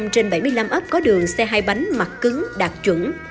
bảy mươi năm trên bảy mươi năm ấp có đường xe hai bánh mặt cứng đạt chuẩn